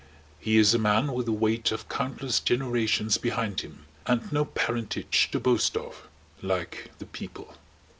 He is a man with the weight of countless generations behind him and no parentage to boast of. ... Like the People.